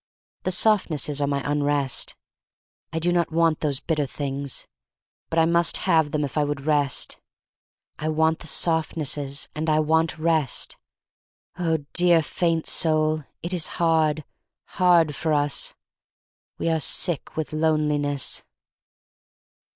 The softnesses are my Unrest. I do not want those bitter things. But I must have them if I would rest. I want the softnesses and I want Rest! Oh, dear faint soul, it is hard — hard for us. We are sick with loneliness.